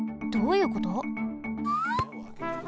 どういうこと？